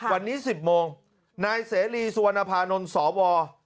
วันนี้๑๐โมงนายเสรีสุวรรณภานนท์สว